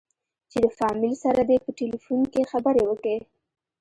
چې د فاميل سره دې په ټېلفون کښې خبرې وکې.